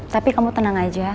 tapi kamu tenang aja